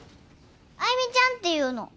愛魅ちゃんっていうの。